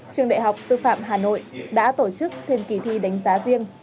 trường đại học sư phạm hà nội đã tổ chức thêm kỳ thi đánh giá riêng